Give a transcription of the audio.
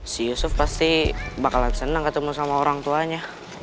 si yusuf pasti bakalan senang ketemu sama orangtuanya